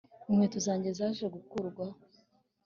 inkweto zanjye zaje gukurwaho